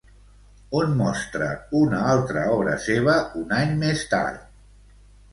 On mostra una altra obra seva un any més tard?